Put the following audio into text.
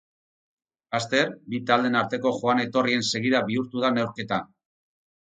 Laster, bi taldeen arteko joan-etorrien segida bihurtu da neurketa.